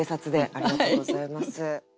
ありがとうございます。